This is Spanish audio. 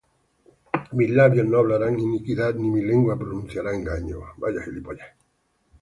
Mis labios no hablarán iniquidad, Ni mi lengua pronunciará engaño.